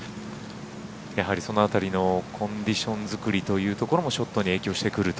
やはりその辺りのコンディション作りというところもショットに影響してくると。